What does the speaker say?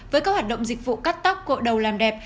với các hoạt động dịch vụ cắt tóc cội đầu làm đẹp